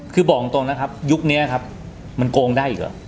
คือบอกตรงนะครับยุคนี้ครับมันโกงได้อีกเหรอ